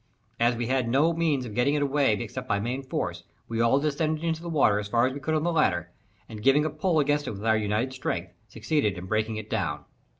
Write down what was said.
As we had no means of getting it away except by main force, we all descended into the water as far as we could on the ladder, and giving a pull against it with our united strength, succeeded in breaking it down.